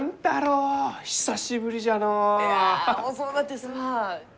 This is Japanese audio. いや遅うなってすまん。